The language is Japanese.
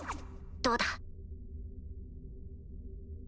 どうだ？